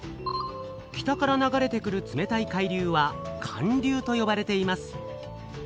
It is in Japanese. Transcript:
北から流れてくる冷たい海流は「寒流」とよばれています。